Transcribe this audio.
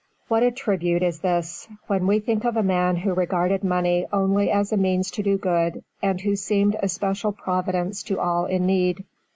What a tribute is this; when we think of a man who regarded money only as a means to do good, and who seemed a special Providence to all in need.